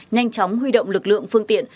nhanh chóng huy động lực lượng phương tiện